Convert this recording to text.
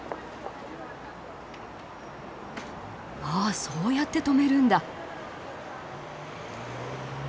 ああそうやって止めるんだ。